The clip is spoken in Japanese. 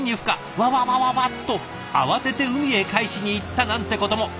わわわわわっ！と慌てて海へ返しにいったなんてことも。